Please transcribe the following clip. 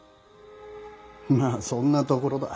まあそんなところだ。